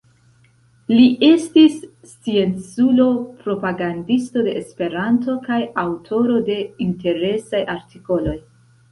Li estis scienculo, propagandisto de Esperanto kaj aŭtoro de interesaj artikoloj.